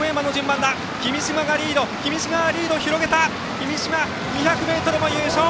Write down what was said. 君嶋、２００ｍも優勝！